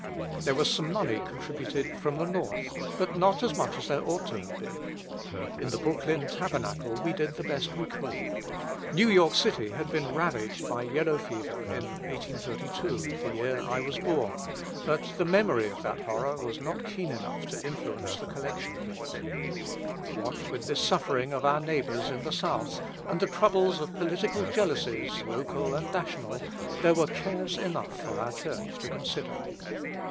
There was some money contributed from the North, but not as much as there ought to have been. In the Brooklyn Tabernacle we did the best we could; New York city had been ravaged by yellow fever in 1832, the year I was born, but the memory of that horror was not keen enough to influence the collection plate. What with this suffering of our neighbours in the South, and the troubles of political jealousies local and national, there were cares enough for our church to consider.